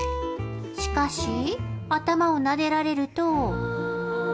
しかし、頭をなでられると。